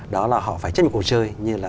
đó là họ phải chấp nhận cuộc chơi như là